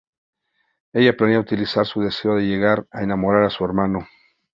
Ella planea utilizar su deseo de llegar a enamorar a su hermano.